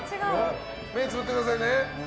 目つぶってくださいね。